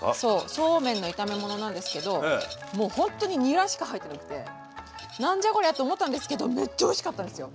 そうめんの炒め物なんですけどもうほんとににらしか入ってなくて何じゃこりゃって思ったんですけどめっちゃおいしかったんですよ